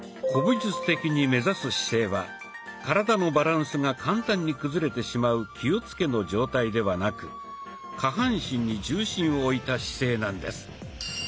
古武術的に目指す姿勢は体のバランスが簡単に崩れてしまう「気をつけ」の状態ではなく下半身に重心を置いた姿勢なんです。